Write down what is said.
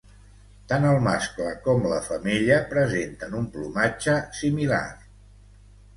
Tant el mascle com la femella presenten un plomatge similar.